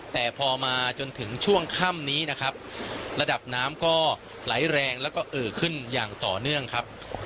แต่พอมาจนถึงช่วงค่ำนี้นะครับระดับน้ำก็ไหลแรงแล้วก็เอ่อขึ้นอย่างต่อเนื่องครับ